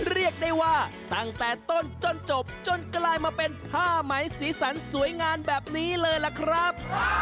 เรียกได้ว่าตั้งแต่ต้นจนจบจนกลายมาเป็นผ้าไหมสีสันสวยงามแบบนี้เลยล่ะครับ